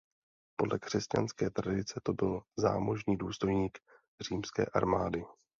Podle křesťanské tradice to byl zámožný důstojník římské armády.